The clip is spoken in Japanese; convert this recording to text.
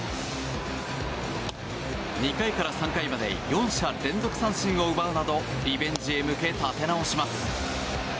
２回から３回まで４者連続三振などでリベンジへ向け立て直します。